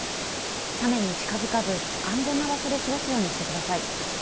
斜面に近づかず、安全な場所で過ごすようにしてください。